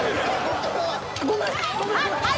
ごめんなさい！